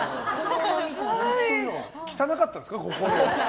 汚かったんですか、心が。